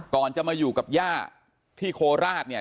ก่อนจะมาอยู่กับย่าที่โคราชเนี่ย